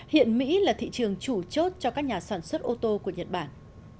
hiện mỹ là thị trường chủ chốt cho các nhà sản xuất ô tô của nhật bản